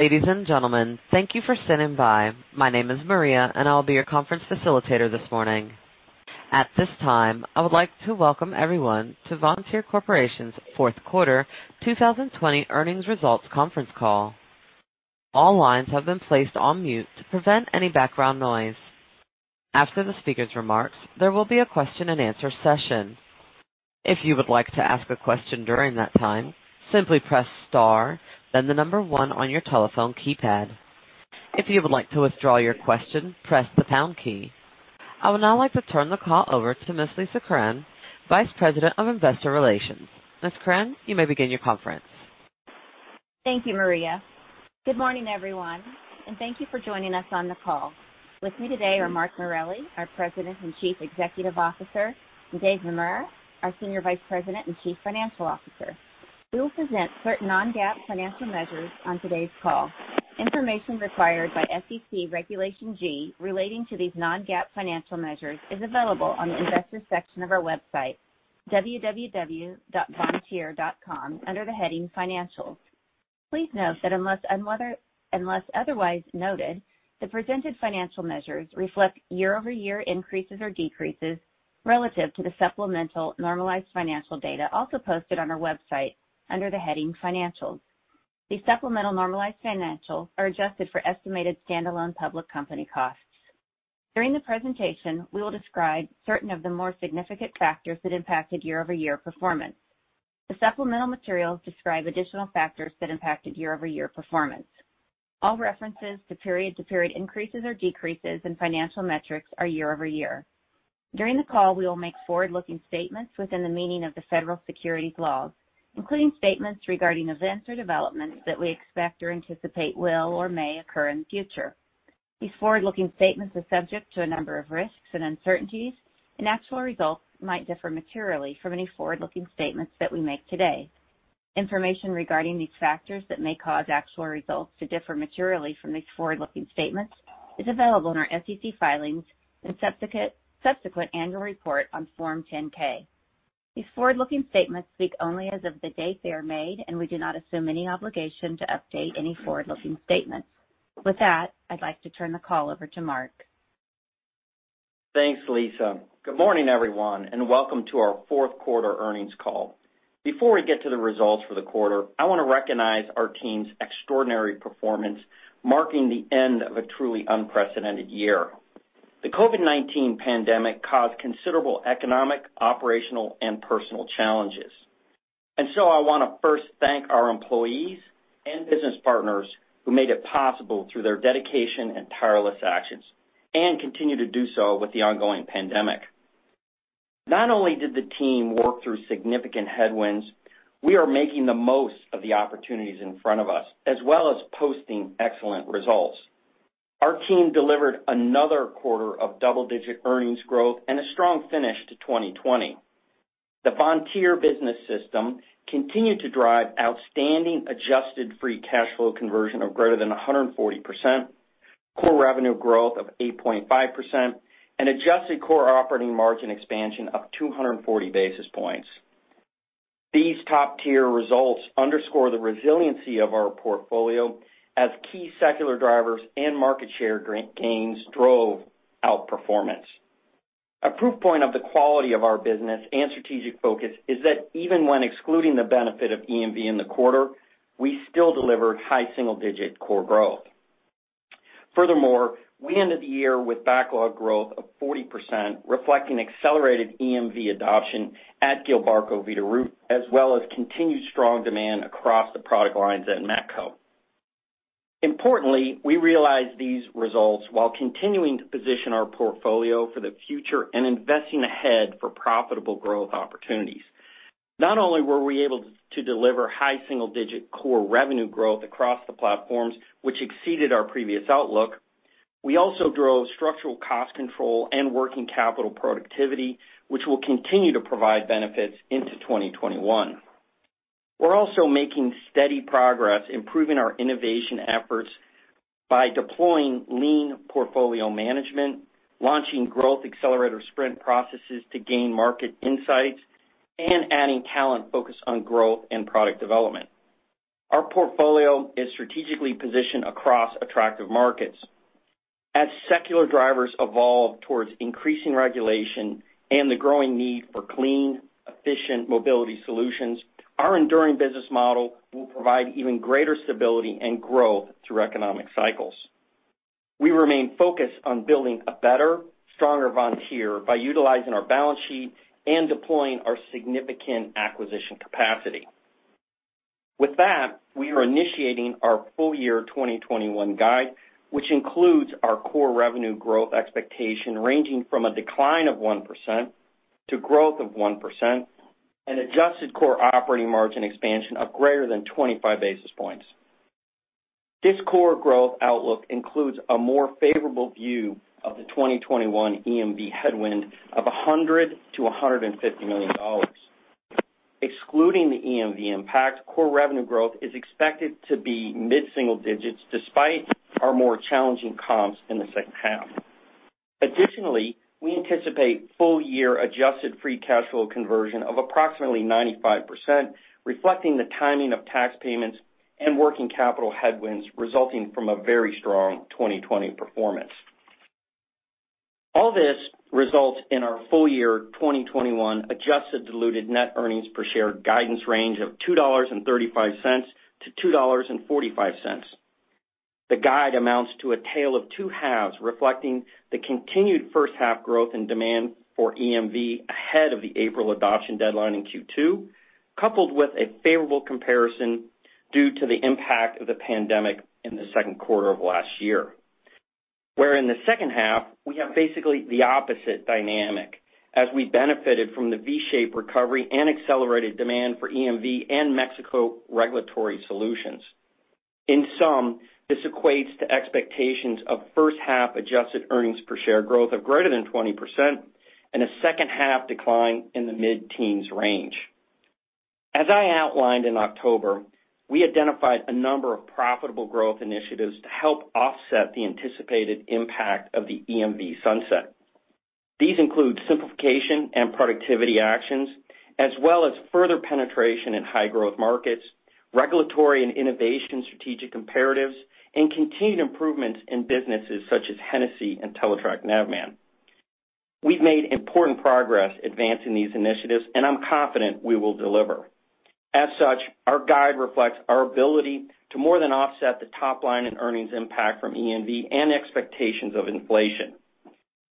Ladies and gentlemen, thank you for standing by. My name is Maria, and I'll be your conference facilitator this morning. At this time, I would like to welcome everyone to Vontier Corporation's fourth quarter 2020 earnings results conference call. All lines have been placed on mute to prevent any background noise. After the speaker's remarks, there will be a question and answer session. If you would like to ask a question during that time, simply press star, then the number one on your telephone keypad. If you would like to withdraw your question, press the pound key. I would now like to turn the call over to Ms. Lisa Zaun, Vice President of Investor Relations. Ms. Zaun, you may begin your conference. Thank you, Maria. Good morning, everyone, and thank you for joining us on the call. With me today are Mark Morelli, our President and Chief Executive Officer, and David Naemura, our Senior Vice President and Chief Financial Officer. We will present certain non-GAAP financial measures on today's call. Information required by SEC Regulation G relating to these non-GAAP financial measures is available on the investor section of our website, www.vontier.com, under the heading Financials. Please note that unless otherwise noted, the presented financial measures reflect year-over-year increases or decreases relative to the supplemental normalized financial data also posted on our website under the heading Financials. These supplemental normalized financials are adjusted for estimated stand-alone public company costs. During the presentation, we will describe certain of the more significant factors that impacted year-over-year performance. The supplemental materials describe additional factors that impacted year-over-year performance. All references to period-to-period increases or decreases in financial metrics are year-over-year. During the call, we will make forward-looking statements within the meaning of the federal securities laws, including statements regarding events or developments that we expect or anticipate will or may occur in the future. These forward-looking statements are subject to a number of risks and uncertainties, and actual results might differ materially from any forward-looking statements that we make today. Information regarding these factors that may cause actual results to differ materially from these forward-looking statements is available in our SEC filings and subsequent annual report on Form 10-K. These forward-looking statements speak only as of the date they are made, and we do not assume any obligation to update any forward-looking statements. With that, I'd like to turn the call over to Mark. Thanks, Lisa. Good morning, everyone. Welcome to our fourth quarter earnings call. Before we get to the results for the quarter, I want to recognize our team's extraordinary performance, marking the end of a truly unprecedented year. The COVID-19 pandemic caused considerable economic, operational, and personal challenges. I want to first thank our employees and business partners who made it possible through their dedication and tireless actions and continue to do so with the ongoing pandemic. Not only did the team work through significant headwinds, we are making the most of the opportunities in front of us, as well as posting excellent results. Our team delivered another quarter of double-digit earnings growth and a strong finish to 2020. The Vontier Business System continued to drive outstanding adjusted free cash flow conversion of greater than 140%, core revenue growth of 8.5%, and adjusted core operating margin expansion of 240 basis points. These top-tier results underscore the resiliency of our portfolio as key secular drivers and market share gains drove outperformance. A proof point of the quality of our business and strategic focus is that even when excluding the benefit of EMV in the quarter, we still delivered high single-digit core growth. Furthermore, we ended the year with backlog growth of 40%, reflecting accelerated EMV adoption at Gilbarco Veeder-Root, as well as continued strong demand across the product lines at Matco. Importantly, we realized these results while continuing to position our portfolio for the future and investing ahead for profitable growth opportunities. Not only were we able to deliver high single-digit core revenue growth across the platforms, which exceeded our previous outlook, we also drove structural cost control and working capital productivity, which will continue to provide benefits into 2021. We're also making steady progress improving our innovation efforts by deploying lean portfolio management, launching growth accelerator sprint processes to gain market insights, and adding talent focused on growth and product development. Our portfolio is strategically positioned across attractive markets. As secular drivers evolve towards increasing regulation and the growing need for clean, efficient mobility solutions, our enduring business model will provide even greater stability and growth through economic cycles. We remain focused on building a better, stronger Vontier by utilizing our balance sheet and deploying our significant acquisition capacity. With that, we are initiating our full year 2021 guide, which includes our core revenue growth expectation ranging from a decline of 1% to growth of 1% and adjusted core operating margin expansion of greater than 25 basis points. This core growth outlook includes a more favorable view of the 2021 EMV headwind of $100 million to $150 million. Excluding the EMV impact, core revenue growth is expected to be mid-single digits, despite our more challenging comps in the second half. Additionally, we anticipate full-year adjusted free cash flow conversion of approximately 95%, reflecting the timing of tax payments and working capital headwinds resulting from a very strong 2020 performance. All this results in our full-year 2021 adjusted diluted net earnings per share guidance range of $2.35 to $2.45. The guide amounts to a tale of two halves, reflecting the continued first half growth and demand for EMV ahead of the April adoption deadline in Q2, coupled with a favorable comparison due to the impact of the pandemic in the second quarter of last year. Where in the second half, we have basically the opposite dynamic as we benefited from the V-shaped recovery and accelerated demand for EMV and Mexico regulatory solutions. In sum, this equates to expectations of first half adjusted earnings per share growth of greater than 20% and a second half decline in the mid-teens range. As I outlined in October, we identified a number of profitable growth initiatives to help offset the anticipated impact of the EMV sunset. These include simplification and productivity actions, as well as further penetration in high growth markets, regulatory and innovation strategic imperatives, and continued improvements in businesses such as Hennessy and Teletrac Navman. We've made important progress advancing these initiatives, and I'm confident we will deliver. As such, our guide reflects our ability to more than offset the top line in earnings impact from EMV and expectations of inflation.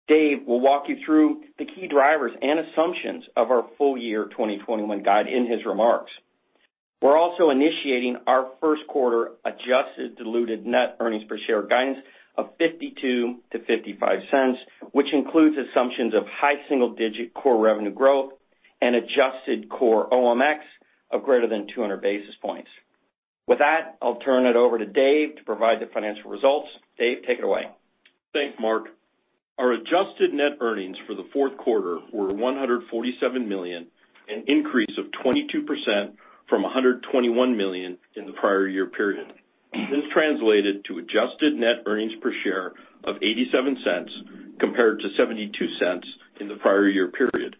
Dave will walk you through the key drivers and assumptions of our full year 2021 guide in his remarks. We're also initiating our first quarter adjusted diluted net earnings per share guidance of $0.52 to $0.55, which includes assumptions of high single-digit core revenue growth and adjusted core OMX of greater than 200 basis points. With that, I'll turn it over to Dave to provide the financial results. Dave, take it away. Thanks, Mark. Our adjusted net earnings for the fourth quarter were $147 million, an increase of 22% from $121 million in the prior year period. This translated to adjusted net earnings per share of $0.87 compared to $0.72 in the prior year period.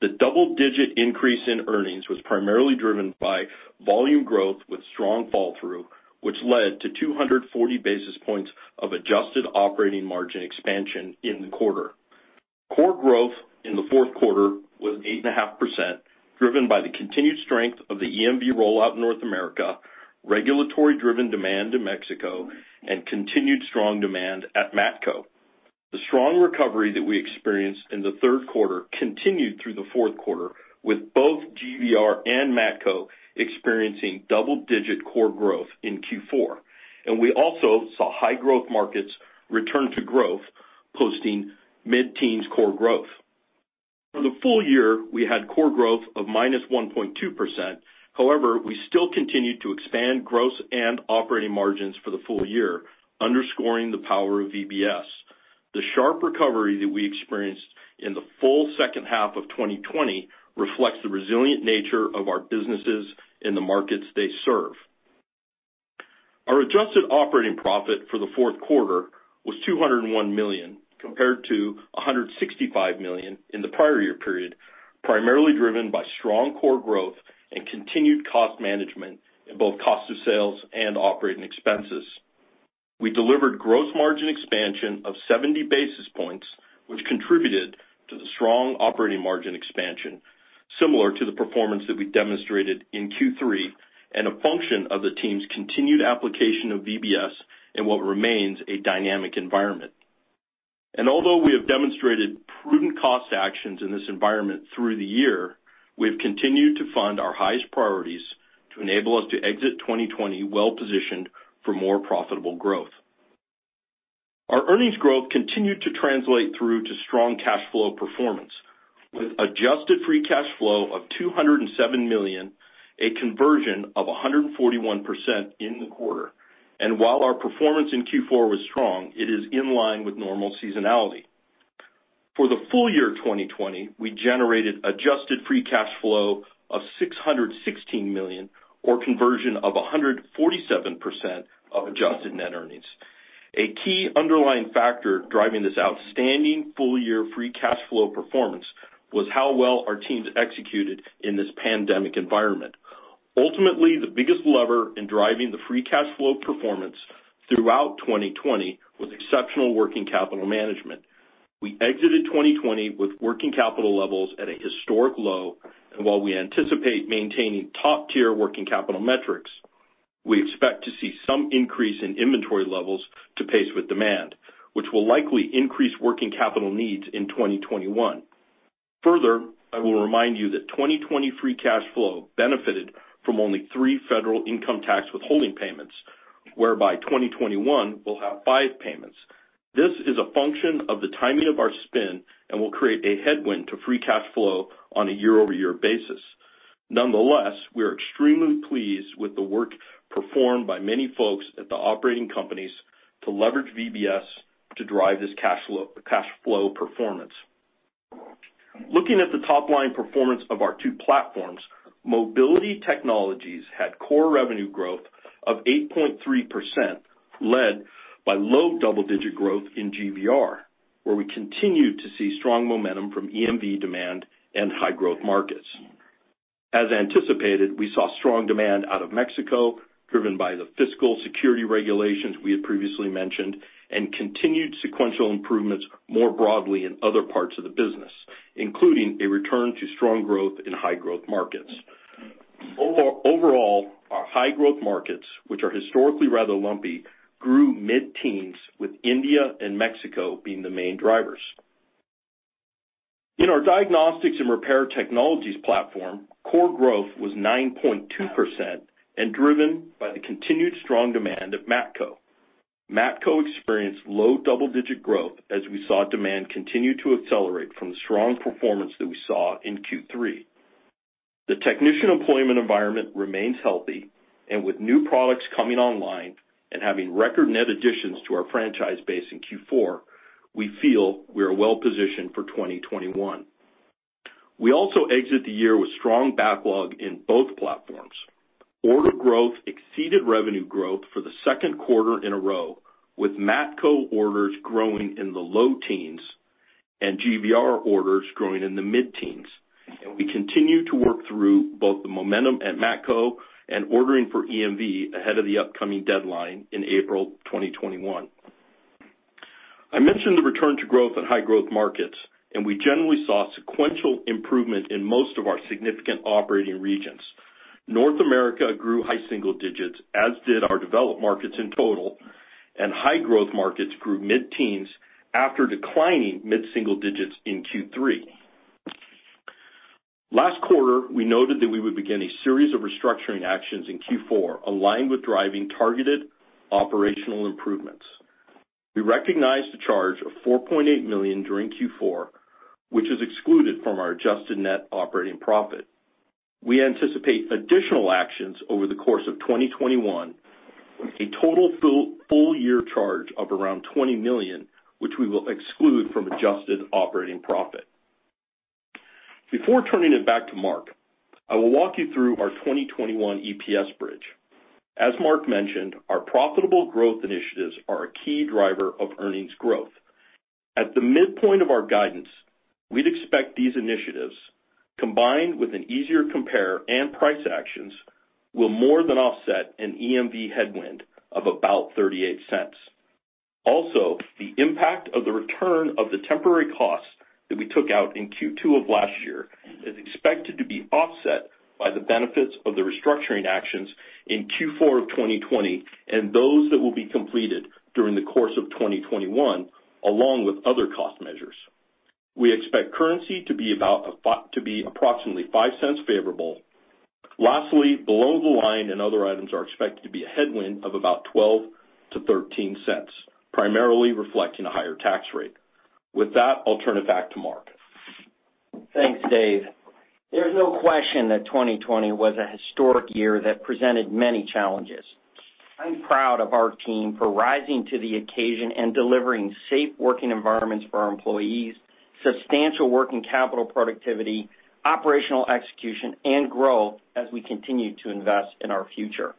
The double-digit increase in earnings was primarily driven by volume growth with strong fall through, which led to 240 basis points of adjusted operating margin expansion in the quarter. Core growth in the fourth quarter was 8.5%, driven by the continued strength of the EMV rollout in North America, regulatory driven demand in Mexico, and continued strong demand at Matco. The strong recovery that we experienced in the third quarter continued through the fourth quarter, with both GVR and Matco experiencing double-digit core growth in Q4. We also saw high growth markets return to growth, posting mid-teens core growth. For the full year, we had core growth of -1.2%. However, we still continued to expand gross and operating margins for the full year, underscoring the power of VBS. The sharp recovery that we experienced in the full second half of 2020 reflects the resilient nature of our businesses in the markets they serve. Our adjusted operating profit for the fourth quarter was $201 million, compared to $165 million in the prior year period, primarily driven by strong core growth and continued cost management in both cost of sales and operating expenses. We delivered gross margin expansion of 70 basis points, which contributed to the strong operating margin expansion, similar to the performance that we demonstrated in Q3 and a function of the team's continued application of VBS in what remains a dynamic environment. Although we have demonstrated prudent cost actions in this environment through the year, we've continued to fund our highest priorities to enable us to exit 2020 well-positioned for more profitable growth. Our earnings growth continued to translate through to strong cash flow performance with adjusted free cash flow of $207 million, a conversion of 141% in the quarter. While our performance in Q4 was strong, it is in line with normal seasonality. For the full year 2020, we generated adjusted free cash flow of $616 million or conversion of 147% of adjusted net earnings. A key underlying factor driving this outstanding full year free cash flow performance was how well our teams executed in this pandemic environment. Ultimately, the biggest lever in driving the cash flow performance throughout 2020 was exceptional working capital management. We exited 2020 with working capital levels at a historic low, and while we anticipate maintaining top tier working capital metrics, we expect to see some increase in inventory levels to pace with demand, which will likely increase working capital needs in 2021. Further, I will remind you that 2020 free cash flow benefited from only three federal income tax withholding payments, whereby 2021 will have five payments. This is a function of the timing of our spin and will create a headwind to free cash flow on a year-over-year basis. Nonetheless, we are extremely pleased with the work performed by many folks at the operating companies to leverage VBS to drive this cash flow performance. Looking at the top-line performance of our two platforms, Mobility Technologies had core revenue growth of 8.3%, led by low double-digit growth in GVR, where we continued to see strong momentum from EMV demand and high-growth markets. As anticipated, we saw strong demand out of Mexico, driven by the fiscal security regulations we had previously mentioned, and continued sequential improvements more broadly in other parts of the business, including a return to strong growth in high-growth markets. Overall, our high-growth markets, which are historically rather lumpy, grew mid-teens, with India and Mexico being the main drivers. In our Diagnostic Repair Solutions platform, core growth was 9.2% and driven by the continued strong demand of Matco. Matco experienced low double-digit growth as we saw demand continue to accelerate from the strong performance that we saw in Q3. The technician employment environment remains healthy, and with new products coming online and having record net additions to our franchise base in Q4, we feel we are well-positioned for 2021. We also exit the year with strong backlog in both platforms. Order growth exceeded revenue growth for the second quarter in a row, with Matco orders growing in the low teens and GVR orders growing in the mid-teens. We continue to work through both the momentum at Matco and ordering for EMV ahead of the upcoming deadline in April 2021. I mentioned the return to growth in high-growth markets, and we generally saw sequential improvement in most of our significant operating regions. North America grew high single digits, as did our developed markets in total, and high-growth markets grew mid-teens after declining mid-single digits in Q3. Last quarter, we noted that we would begin a series of restructuring actions in Q4, aligned with driving targeted operational improvements. We recognized a charge of $4.8 million during Q4, which is excluded from our adjusted net operating profit. We anticipate additional actions over the course of 2021, a total full year charge of around $20 million, which we will exclude from adjusted operating profit. Before turning it back to Mark, I will walk you through our 2021 EPS bridge. As Mark mentioned, our profitable growth initiatives are a key driver of earnings growth. At the midpoint of our guidance, we'd expect these initiatives, combined with an easier compare and price actions, will more than offset an EMV headwind of about $0.38. Also, the impact of the return of the temporary costs that we took out in Q2 of last year is expected to be offset by the benefits of the restructuring actions in Q4 of 2020 and those that will be completed during the course of 2021, along with other cost measures. We expect currency to be approximately $0.05 favorable. Lastly, below the line and other items are expected to be a headwind of about $0.12-0.13, primarily reflecting a higher tax rate. With that, I'll turn it back to Mark. Thanks, Dave. There's no question that 2020 was a historic year that presented many challenges. I'm proud of our team for rising to the occasion and delivering safe working environments for our employees, substantial working capital productivity, operational execution, and growth as we continue to invest in our future.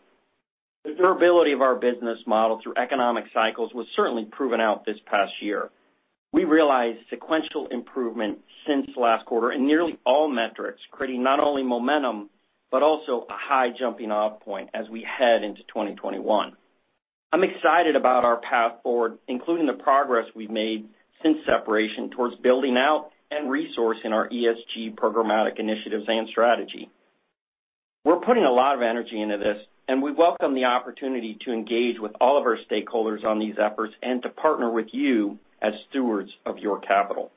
The durability of our business model through economic cycles was certainly proven out this past year. We realized sequential improvement since last quarter in nearly all metrics, creating not only momentum, but also a high jumping-off point as we head into 2021. I'm excited about our path forward, including the progress we've made since separation towards building out and resourcing our ESG programmatic initiatives and strategy. We're putting a lot of energy into this, and we welcome the opportunity to engage with all of our stakeholders on these efforts and to partner with you as stewards of your capital.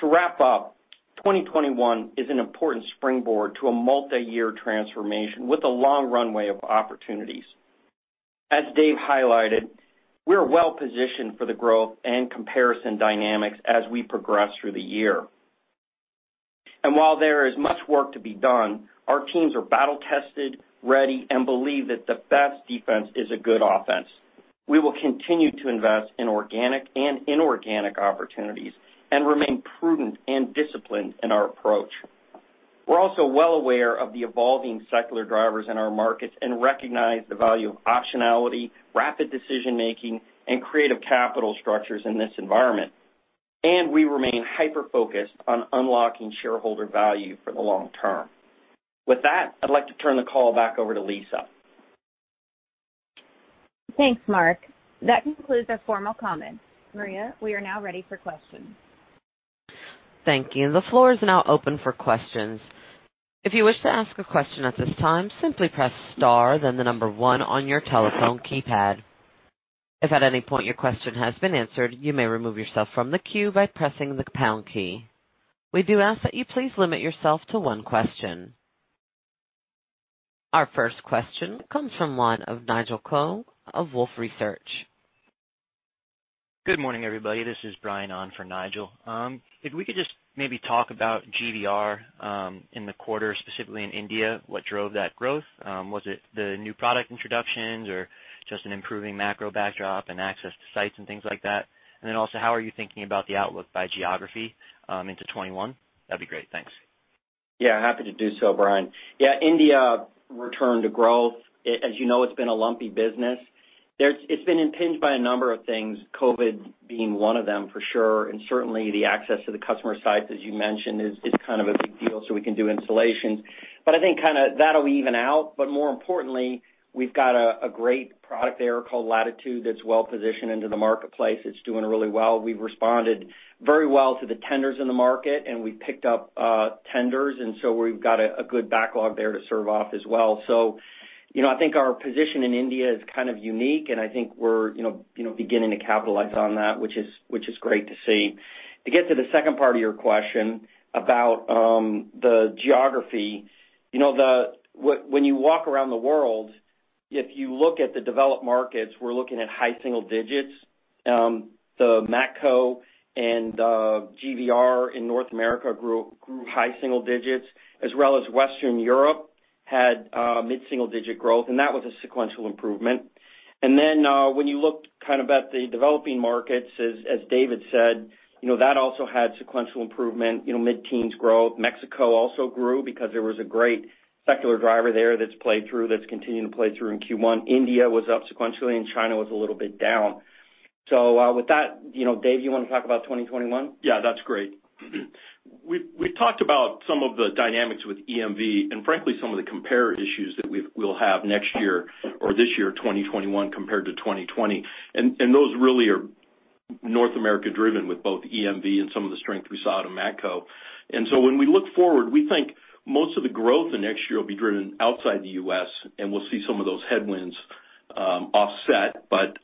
To wrap up, 2021 is an important springboard to a multi-year transformation with a long runway of opportunities. As Dave highlighted, we are well-positioned for the growth and comparison dynamics as we progress through the year. While there is much work to be done, our teams are battle-tested, ready, and believe that the best defense is a good offense. We will continue to invest in organic and inorganic opportunities and remain prudent and disciplined in our approach. We're also well aware of the evolving secular drivers in our markets and recognize the value of optionality, rapid decision-making, and creative capital structures in this environment. We remain hyper-focused on unlocking shareholder value for the long term. With that, I'd like to turn the call back over to Lisa. Thanks, Mark. That concludes our formal comments. Maria, we are now ready for questions. Thank you. The floor is now open for questions. If you wish to ask a question at this time, simply press star then the number one on your telephone keypad. If at any point your question has been answered, you may remove yourself from the queue by pressing the pound key. We do ask that you please limit yourself to one question. Our first question comes from the line of Nigel Coe of Wolfe Research. Good morning, everybody. This is Brian on for Nigel. If we could just maybe talk about GVR in the quarter, specifically in India, what drove that growth? Was it the new product introductions or just an improving macro backdrop and access to sites and things like that? Also, how are you thinking about the outlook by geography into 2021? That'd be great. Thanks. Happy to do so, Brian. India returned to growth. As you know, it's been a lumpy business. It's been impinged by a number of things, COVID being one of them for sure, and certainly the access to the customer sites, as you mentioned, is kind of a big deal so we can do installations. I think that'll even out. More importantly, we've got a great product there called Latitude that's well-positioned into the marketplace. It's doing really well. We've responded very well to the tenders in the market, and we've picked up tenders, and so we've got a good backlog there to serve off as well. I think our position in India is kind of unique, and I think we're beginning to capitalize on that, which is great to see. To get to the second part of your question about the geography. When you walk around the world, if you look at the developed markets, we're looking at high single digits. The Matco and GVR in North America grew high single digits, as well as Western Europe had mid-single-digit growth, and that was a sequential improvement. When you look at the developing markets, as David said, that also had sequential improvement, mid-teens growth. Mexico also grew because there was a great secular driver there that's played through, that's continuing to play through in Q1. India was up sequentially, and China was a little bit down. With that, Dave, you want to talk about 2021? Yeah, that's great. We talked about some of the dynamics with EMV and frankly, some of the compare issues that we'll have next year or this year, 2021 compared to 2020. Those really are North America driven with both EMV and some of the strength we saw out of Matco. When we look forward, we think most of the growth in next year will be driven outside the U.S., and we'll see some of those headwinds offset, but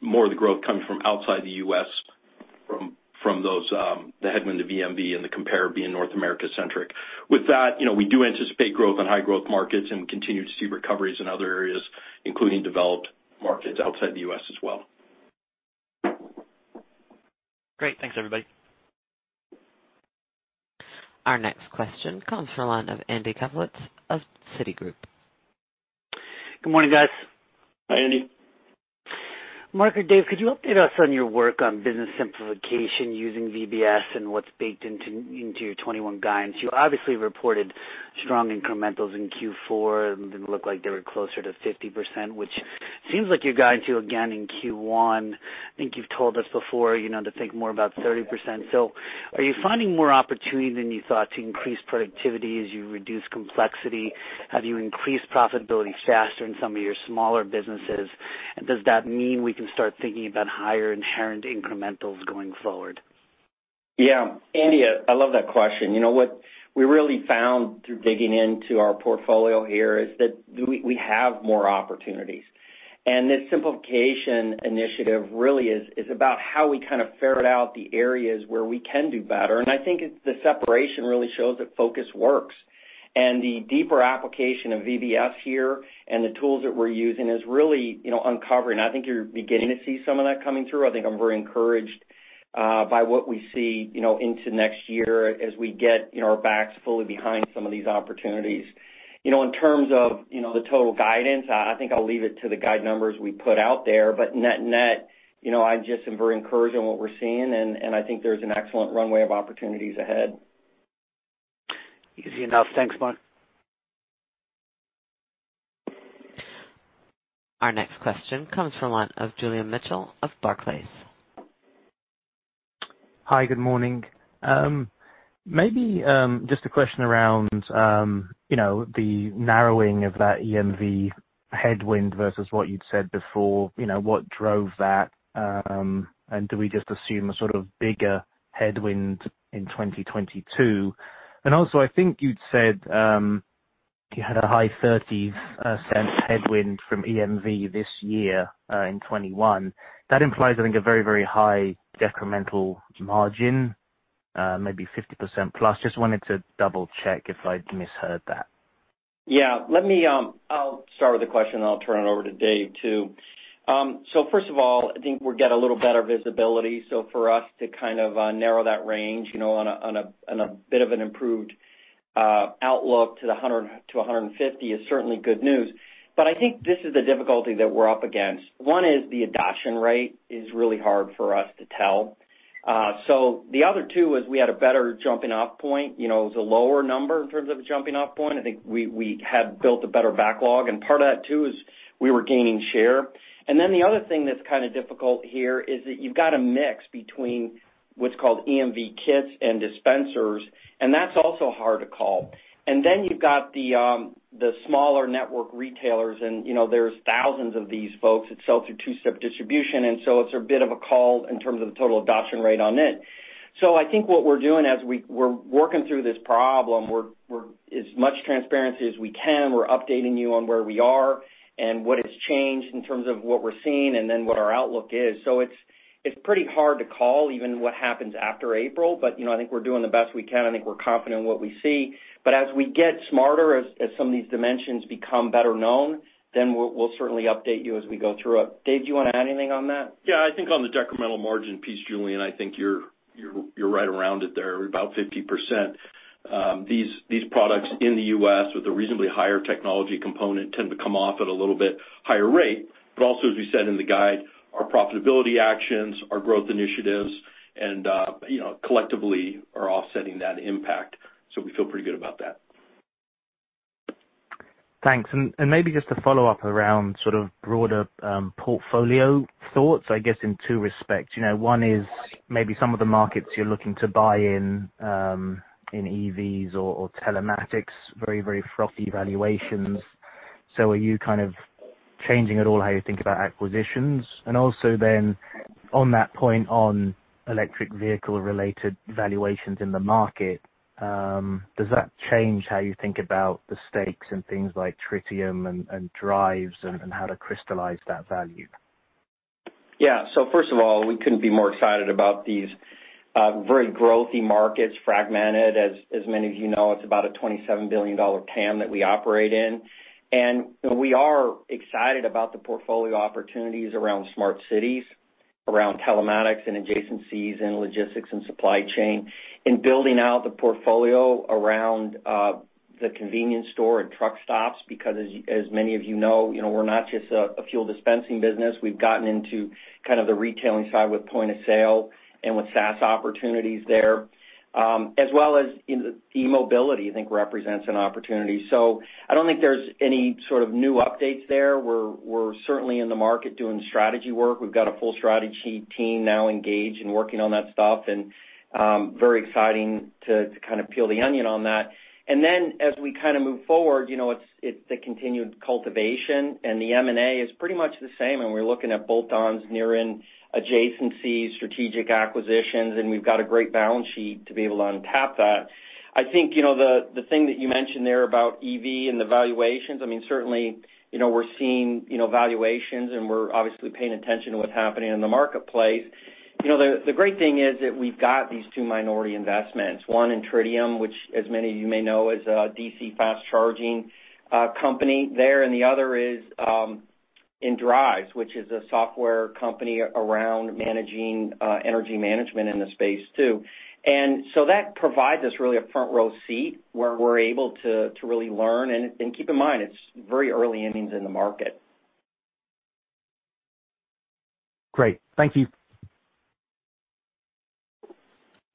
more of the growth coming from outside the U.S. from the headwind of EMV and the compare being North America-centric. With that, we do anticipate growth in high growth markets and continue to see recoveries in other areas, including developed markets outside the U.S. as well. Great. Thanks, everybody. Our next question comes from the line of Andy Kaplowitz of Citigroup. Good morning, guys. Hi, Andy. Mark or Dave, could you update us on your work on business simplification using VBS and what's baked into your 2021 guidance? You obviously reported strong incrementals in Q4, and they look like they were closer to 50%, which seems like you're guiding to again in Q1. I think you've told us before, to think more about 30%. Are you finding more opportunity than you thought to increase productivity as you reduce complexity? Have you increased profitability faster in some of your smaller businesses? Does that mean we can start thinking about higher inherent incrementals going forward? Yeah. Andy, I love that question. What we really found through digging into our portfolio here is that we have more opportunities. This simplification initiative really is about how we kind of ferret out the areas where we can do better. I think the separation really shows that focus works. The deeper application of VBS here and the tools that we're using is really uncovering. I think you're beginning to see some of that coming through. I think I'm very encouraged by what we see into next year as we get our backs fully behind some of these opportunities. In terms of the total guidance, I think I'll leave it to the guide numbers we put out there, but net net, I just am very encouraged on what we're seeing, and I think there's an excellent runway of opportunities ahead. Easy enough. Thanks, Mark. Our next question comes from the line of Julian Mitchell of Barclays. Hi, good morning. Maybe just a question around the narrowing of that EMV headwind versus what you'd said before, what drove that? Do we just assume a sort of bigger headwind in 2022? Also, I think you'd said you had a high $0.30 headwind from EMV this year in 2021. That implies, I think, a very, very high decremental margin, maybe 50% plus. Just wanted to double-check if I'd misheard that. I'll start with the question. I'll turn it over to Dave, too. First of all, I think we get a little better visibility. For us to kind of narrow that range on a bit of an improved outlook to 100-150 is certainly good news. I think this is the difficulty that we're up against. One is the adoption rate is really hard for us to tell. The other two is we had a better jumping-off point. It was a lower number in terms of a jumping-off point. I think we had built a better backlog, and part of that, too, is we were gaining share. The other thing that's kind of difficult here is that you've got a mix between what's called EMV kits and dispensers, and that's also hard to call. You've got the smaller network retailers, there's thousands of these folks that sell through two-step distribution, it's a bit of a call in terms of the total adoption rate on it. I think what we're doing as we're working through this problem, as much transparency as we can, we're updating you on where we are and what has changed in terms of what we're seeing what our outlook is. It's pretty hard to call even what happens after April, I think we're doing the best we can. I think we're confident in what we see. As we get smarter, as some of these dimensions become better known, we'll certainly update you as we go through it. Dave, do you want to add anything on that? Yeah, I think on the decremental margin piece, Julian, I think you're right around it there, about 50%. These products in the U.S. with a reasonably higher technology component tend to come off at a little bit higher rate. Also, as we said in the guide, our profitability actions, our growth initiatives, and collectively are offsetting that impact. We feel pretty good about that. Thanks. Maybe just to follow up around broader portfolio thoughts, I guess in two respects. One is maybe some of the markets you're looking to buy in EVs or telematics, very frothy valuations. Are you changing at all how you think about acquisitions? Also then on that point on electric vehicle-related valuations in the market, does that change how you think about the stakes in things like Tritium and Driivz and how to crystallize that value? Yeah. First of all, we couldn't be more excited about these very growthy markets, fragmented. As many of you know, it's about a $27 billion TAM that we operate in. We are excited about the portfolio opportunities around smart cities, around telematics and adjacencies in logistics and supply chain, in building out the portfolio around the convenience store and truck stops, because as many of you know, we're not just a fuel dispensing business. We've gotten into the retailing side with point-of-sale and with SaaS opportunities there, as well as in the e-mobility, I think represents an opportunity. I don't think there's any sort of new updates there. We're certainly in the market doing strategy work. We've got a full strategy team now engaged and working on that stuff, and very exciting to kind of peel the onion on that. Then as we move forward, it's the continued cultivation, the M&A is pretty much the same, we're looking at bolt-ons, near-in adjacencies, strategic acquisitions, and we've got a great balance sheet to be able to untap that. I think, the thing that you mentioned there about EV and the valuations, certainly, we're seeing valuations, we're obviously paying attention to what's happening in the marketplace. The great thing is that we've got these two minority investments, one in Tritium, which as many of you may know, is a DC fast charging company there, the other is in Driivz, which is a software company around managing energy management in the space, too. That provides us really a front-row seat where we're able to really learn, keep in mind, it's very early innings in the market. Great. Thank you.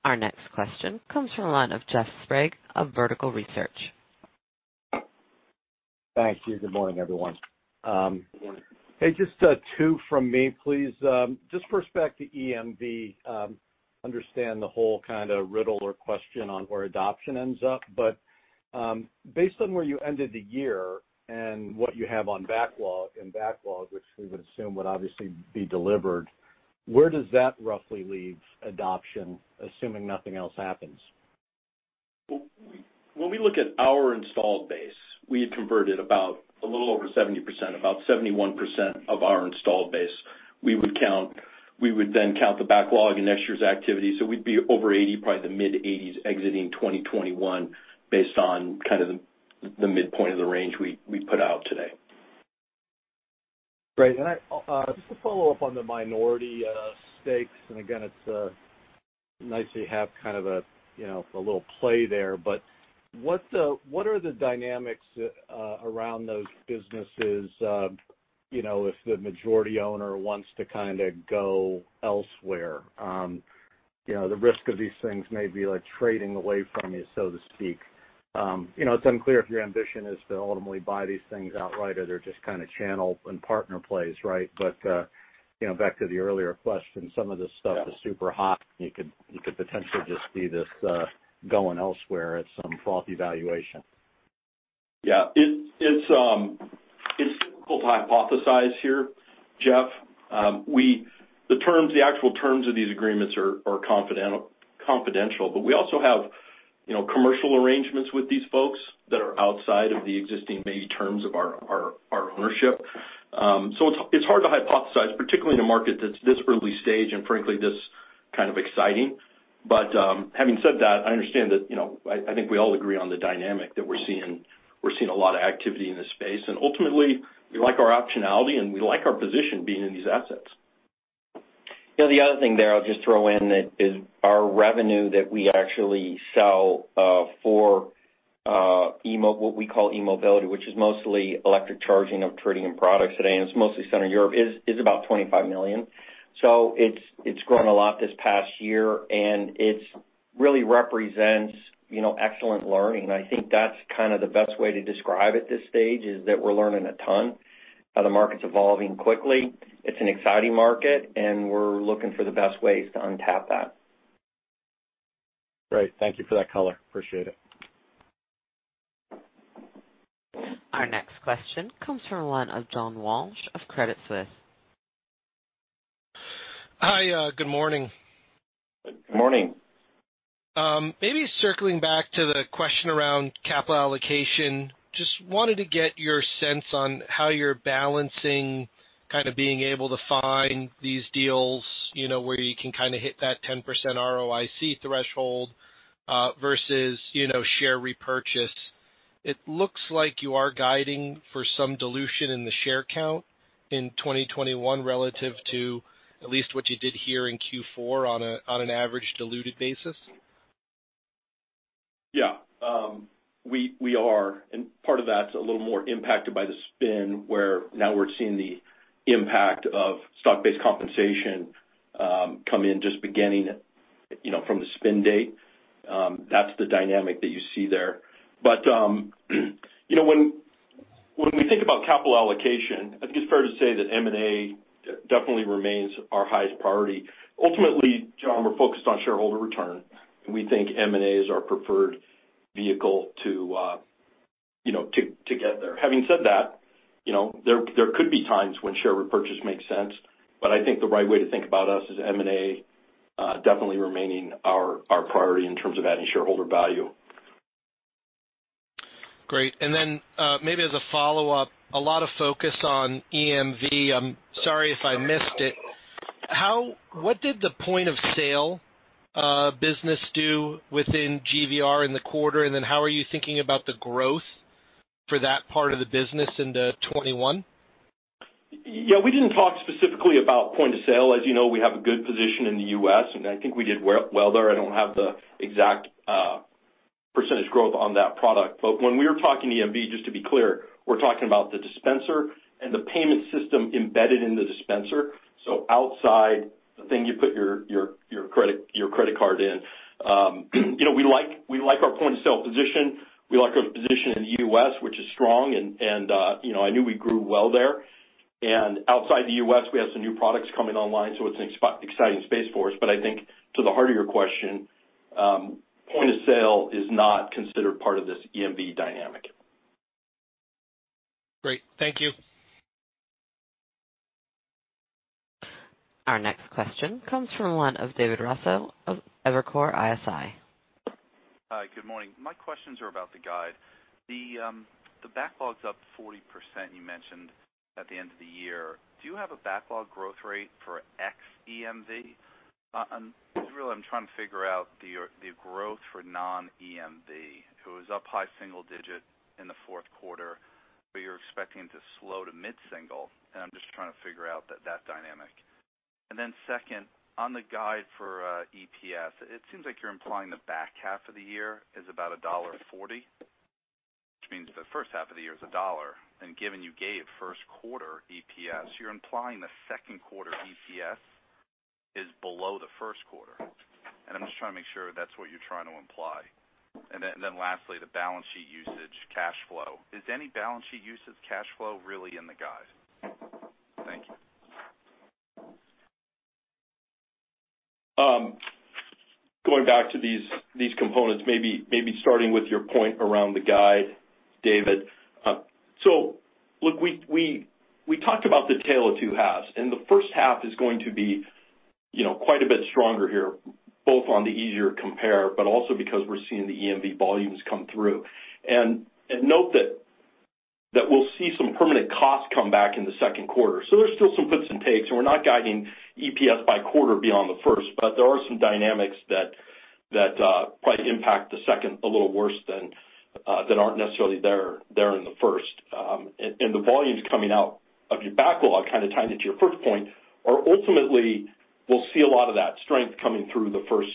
Our next question comes from the line of Jeffrey Sprague of Vertical Research. Thank you. Good morning, everyone. Good morning. Hey, just two from me, please. Just with respect to EMV, understand the whole kind of riddle or question on where adoption ends up. Based on where you ended the year and what you have on backlog, and backlog, which we would assume would obviously be delivered, where does that roughly leave adoption, assuming nothing else happens? When we look at our installed base, we had converted about a little over 70%, about 71% of our installed base. We would then count the backlog in next year's activity. We'd be over 80, probably the mid-80s exiting 2021 based on the midpoint of the range we put out today. Great. Just to follow up on the minority stakes, and again, it's nice that you have kind of a little play there, but what are the dynamics around those businesses if the majority owner wants to go elsewhere? The risk of these things may be like trading away from you, so to speak. It's unclear if your ambition is to ultimately buy these things outright or they're just kind of channel and partner plays, right? Back to the earlier question, some of this stuff is super hot, and you could potentially just see this going elsewhere at some frothy valuation. Yeah. It's difficult to hypothesize here, Jeffrey. The actual terms of these agreements are confidential. We also have commercial arrangements with these folks that are outside of the existing main terms of our ownership. It's hard to hypothesize, particularly in a market that's this early stage and frankly, this kind of exciting. Having said that, I understand that, I think we all agree on the dynamic that we're seeing a lot of activity in this space. Ultimately, we like our optionality, and we like our position being in these assets. The other thing there I'll just throw in that is our revenue that we actually sell for what we call e-mobility, which is mostly electric charging of Tritium products today, and it's mostly Central Europe, is about $25 million. It's grown a lot this past year, and it really represents excellent learning. I think that's the best way to describe it this stage is that we're learning a ton, how the market's evolving quickly. It's an exciting market, and we're looking for the best ways to untap that. Great. Thank you for that color. Appreciate it. Our next question comes from the line of John Walsh of Credit Suisse. Hi. Good morning. Good morning. Circling back to the question around capital allocation, just wanted to get your sense on how you're balancing kind of being able to find these deals, where you can hit that 10% ROIC threshold, versus share repurchase. It looks like you are guiding for some dilution in the share count in 2021 relative to at least what you did here in Q4 on an average diluted basis. Yeah. We are, and part of that's a little more impacted by the spin, where now we're seeing the impact of stock-based compensation. Come in just beginning from the spin date. That's the dynamic that you see there. When we think about capital allocation, I think it's fair to say that M&A definitely remains our highest priority. Ultimately, John, we're focused on shareholder return, and we think M&A is our preferred vehicle to get there. Having said that, there could be times when share repurchase makes sense, but I think the right way to think about us is M&A definitely remaining our priority in terms of adding shareholder value. Great. Maybe as a follow-up, a lot of focus on EMV. I'm sorry if I missed it. What did the point-of-sale business do within GVR in the quarter, and then how are you thinking about the growth for that part of the business into 2021? Yeah. We didn't talk specifically about point-of-sale. As you know, we have a good position in the U.S., and I think we did well there. I don't have the exact percentage growth on that product. When we were talking EMV, just to be clear, we're talking about the dispenser and the payment system embedded in the dispenser, so outside the thing you put your credit card in. We like our point-of-sale position. We like our position in the U.S., which is strong, and I knew we grew well there. Outside the U.S., we have some new products coming online, so it's an exciting space for us. I think to the heart of your question, point-of-sale is not considered part of this EMV dynamic. Great. Thank you. Our next question comes from the line of David Raso of Evercore ISI. Hi. Good morning. My questions are about the guide. The backlog's up 40%, you mentioned at the end of the year. Do you have a backlog growth rate for ex-EMV? Really, I'm trying to figure out the growth for non-EMV. It was up high single digit in the fourth quarter, but you're expecting it to slow to mid-single, and I'm just trying to figure out that dynamic. Second, on the guide for EPS, it seems like you're implying the back half of the year is about $1.40, which means the first half of the year is $1. Given you gave first quarter EPS, you're implying the second quarter EPS is below the first quarter. I'm just trying to make sure that's what you're trying to imply. Lastly, the balance sheet usage cash flow. Is any balance sheet usage cash flow really in the guide? Thank you. Going back to these components, maybe starting with your point around the guide, David. Look, we talked about the tale of two halves, and the first half is going to be quite a bit stronger here, both on the easier compare, but also because we're seeing the EMV volumes come through. Note that we'll see some permanent costs come back in the second quarter. There's still some gives and takes, and we're not guiding EPS by quarter beyond the first, but there are some dynamics that probably impact the second a little worse than aren't necessarily there in the first. The volumes coming out of your backlog, tying it to your first point, are ultimately we'll see a lot of that strength coming through the first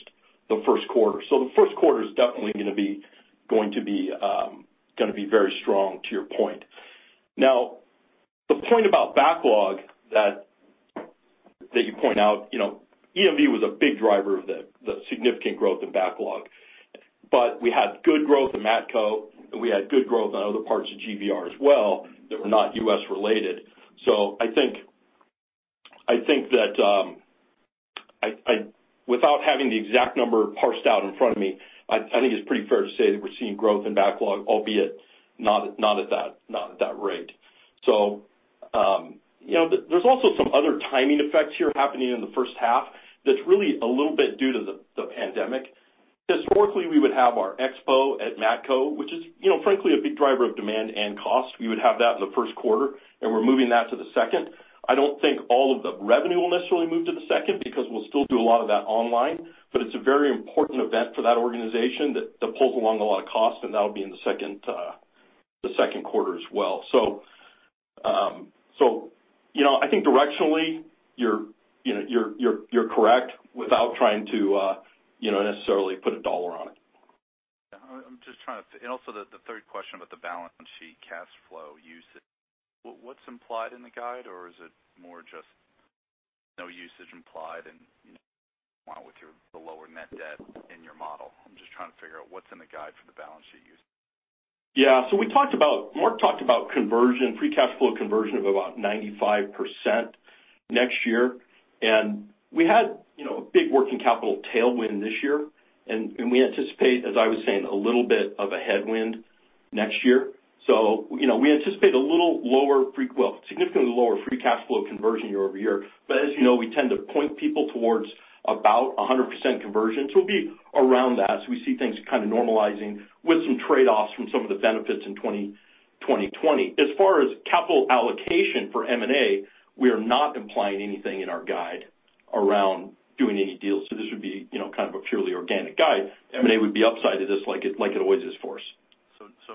quarter. The first quarter is definitely going to be very strong to your point. The point about backlog that you point out, EMV was a big driver of the significant growth in backlog. We had good growth in Matco, and we had good growth on other parts of GVR as well that were not U.S. related. I think that without having the exact number parsed out in front of me, I think it's pretty fair to say that we're seeing growth in backlog, albeit not at that rate. There's also some other timing effects here happening in the first half that's really a little bit due to the pandemic. Historically, we would have our expo at Matco, which is frankly a big driver of demand and cost. We would have that in the first quarter, and we're moving that to the second. I don't think all of the revenue will necessarily move to the second, because we'll still do a lot of that online. It's a very important event for that organization that pulls along a lot of cost, and that'll be in the second quarter as well. I think directionally, you're correct, without trying to necessarily put a dollar on it. Yeah. Also the third question about the balance sheet cash flow usage. What's implied in the guide, or is it more just no usage implied and in line with the lower net debt in your model? I'm just trying to figure out what's in the guide for the balance sheet usage. Yeah. Mark talked about free cash flow conversion of about 95% next year, and we had a big working capital tailwind this year, and we anticipate, as I was saying, a little bit of a headwind next year. We anticipate a significantly lower free cash flow conversion year-over-year. As you know, we tend to point people towards about 100% conversion. We'll be around that as we see things normalizing with some trade-offs from some of the benefits in 2020. As far as capital allocation for M&A, we are not implying anything in our guide around doing any deals. This would be a purely organic guide. M&A would be upside to this like it always is for us.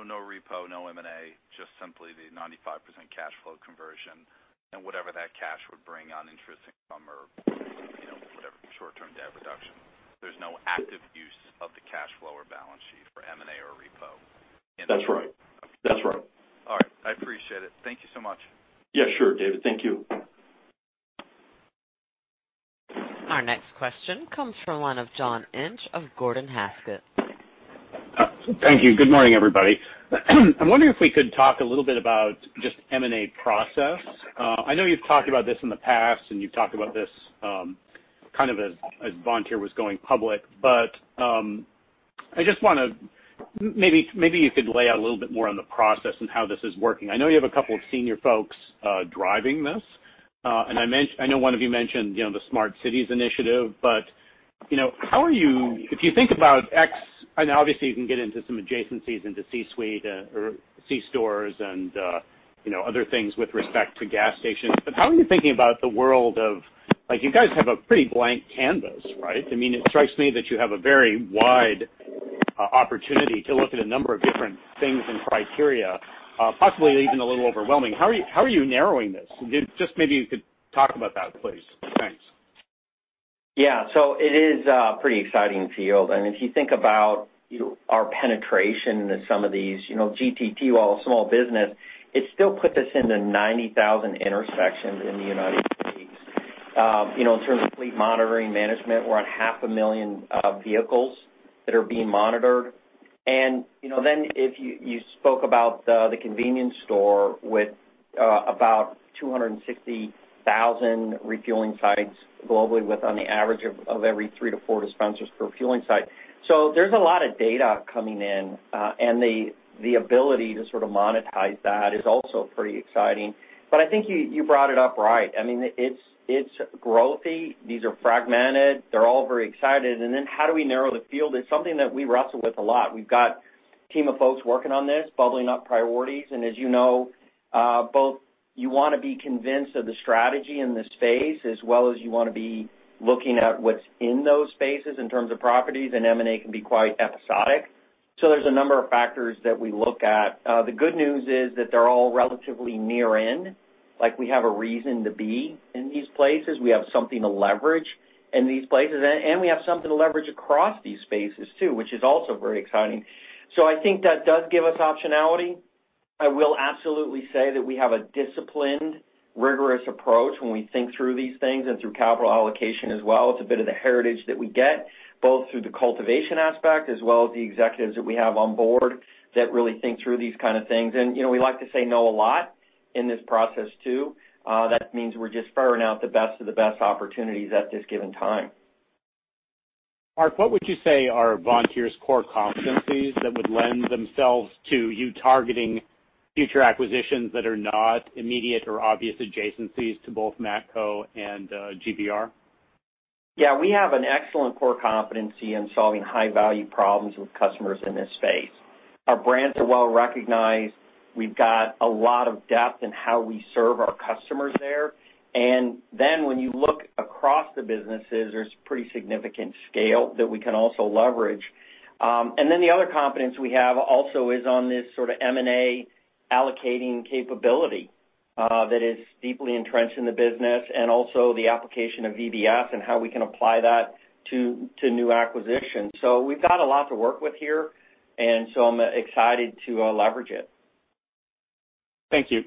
No repo, no M&A, just simply the 95% cash flow conversion and whatever that cash would bring on interest income or whatever short-term debt reduction. There's no active use of the cash flow of balance sheet for M&A or repo. That's right. All right. I appreciate it. Thank you so much. Yeah, sure, David. Thank you. Our next question comes from the line of John Inch of Gordon Haskett. Thank you. Good morning, everybody. I'm wondering if we could talk a little bit about just M&A process. I know you've talked about this in the past, and you've talked about this as Vontier was going public. Maybe you could lay out a little bit more on the process and how this is working. I know you have a couple of senior folks driving this. I know one of you mentioned the Smart Cities initiative. If you think about X, and obviously you can get into some adjacencies into c-suite or c-stores and other things with respect to gas stations, but how are you thinking about the world of You guys have a pretty blank canvas, right? It strikes me that you have a very wide opportunity to look at a number of different things and criteria, possibly even a little overwhelming. How are you narrowing this? Just maybe you could talk about that, please. Thanks. Yeah. It is a pretty exciting field. If you think about our penetration into some of these GTT, while a small business, it still put us into 90,000 intersections in the United States. In terms of fleet monitoring management, we're on half a million vehicles that are being monitored. If you spoke about the convenience store with about 260,000 refueling sites globally with on the average of every three to four dispensers per fueling site. There's a lot of data coming in, and the ability to sort of monetize that is also pretty exciting. I think you brought it up right. It's growthy. These are fragmented. They're all very excited. How do we narrow the field? It's something that we wrestle with a lot. We've got a team of folks working on this, bubbling up priorities, and as you know, both you want to be convinced of the strategy in the space as well as you want to be looking at what's in those spaces in terms of properties, and M&A can be quite episodic. There's a number of factors that we look at. The good news is that they're all relatively near in, like we have a reason to be in these places, we have something to leverage in these places, and we have something to leverage across these spaces too, which is also very exciting. I think that does give us optionality. I will absolutely say that we have a disciplined, rigorous approach when we think through these things and through capital allocation as well. It's a bit of the heritage that we get, both through the cultivation aspect as well as the executives that we have on board that really think through these kind of things. We like to say no a lot in this process, too. That means we're just ferreting out the best of the best opportunities at this given time. Mark, what would you say are Vontier's core competencies that would lend themselves to you targeting future acquisitions that are not immediate or obvious adjacencies to both Matco and GVR? Yeah, we have an excellent core competency in solving high-value problems with customers in this space. Our brands are well-recognized. We've got a lot of depth in how we serve our customers there. When you look across the businesses, there's pretty significant scale that we can also leverage. The other competence we have also is on this sort of M&A allocating capability that is deeply entrenched in the business and also the application of VBS and how we can apply that to new acquisitions. We've got a lot to work with here, I'm excited to leverage it. Thank you.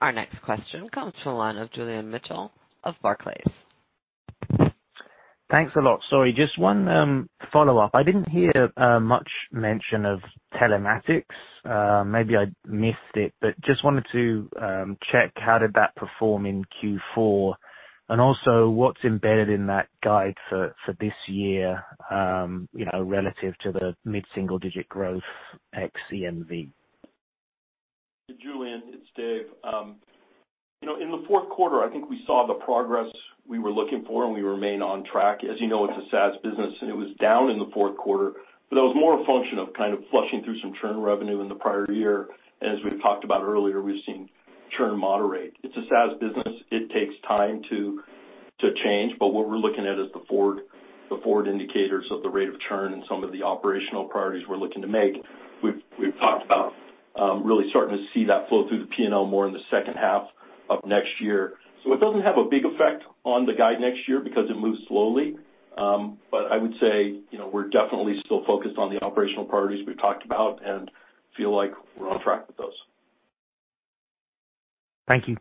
Our next question comes from the line of Julian Mitchell of Barclays. Thanks a lot. Sorry, just one follow-up. I didn't hear much mention of telematics. Maybe I missed it, but just wanted to check, how did that perform in Q4? What's embedded in that guide for this year relative to the mid-single digit growth ex EMV? Julian, it's Dave. In the fourth quarter, I think we saw the progress we were looking for, and we remain on track. As you know, it's a SaaS business, and it was down in the fourth quarter, but that was more a function of kind of flushing through some churn revenue in the prior year. As we talked about earlier, we've seen churn moderate. It's a SaaS business. It takes time to change, but what we're looking at is the forward indicators of the rate of churn and some of the operational priorities we're looking to make. We've talked about really starting to see that flow through the P&L more in the second half of next year. It doesn't have a big effect on the guide next year because it moves slowly. I would say we're definitely still focused on the operational priorities we've talked about and feel like we're on track with those. Thank you.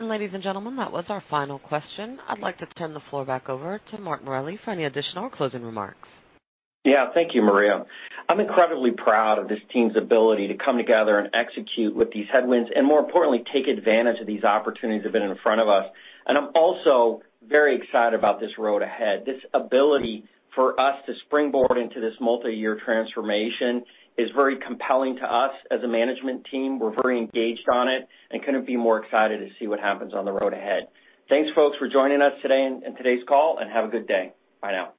Ladies and gentlemen, that was our final question. I'd like to turn the floor back over to Mark Morelli for any additional closing remarks. Thank you, Maria. I'm incredibly proud of this team's ability to come together and execute with these headwinds, and more importantly, take advantage of these opportunities that have been in front of us. I'm also very excited about this road ahead. This ability for us to springboard into this multi-year transformation is very compelling to us as a management team. We're very engaged on it and couldn't be more excited to see what happens on the road ahead. Thanks, folks, for joining us today in today's call, and have a good day. Bye now.